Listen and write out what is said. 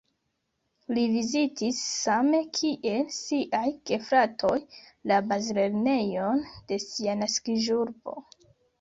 Li vizitis same kiel siaj gefratoj la bazlernejon de sia naskiĝurbo.